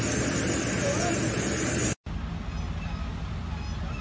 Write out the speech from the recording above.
จากเมื่อเวลาเกิดขึ้นมันกลายเป้าหมาย